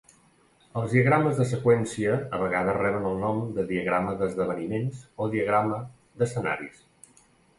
Els diagrames de seqüència a vegades reben el nom de diagrama d'esdeveniments o diagrama d'escenaris.